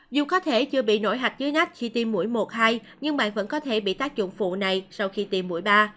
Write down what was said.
dù có thể chưa bị nổi hạch dưới nách khi tiêm mũi một hay nhưng bạn vẫn có thể bị tác dụng phụ này sau khi tiêm mũi ba